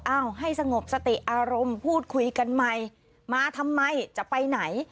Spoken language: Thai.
ให้สงบสติอารมณ์พูดคุยกันใหม่มาทำไมจะไปไหน